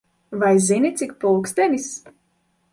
Vai zini, cik pulkstenis?